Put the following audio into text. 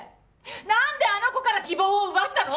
なんであの子から希望を奪ったの？